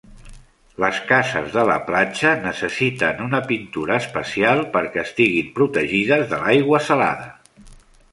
Les cases de la platja necessiten una pintura especial perquè estiguin protegides de l'aigua salada.